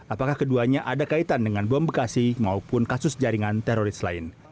apakah keduanya ada kaitan dengan bom bekasi maupun kasus jaringan teroris lain